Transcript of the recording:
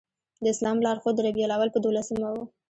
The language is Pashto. د اسلام لار ښود د ربیع الاول په دولسمه و.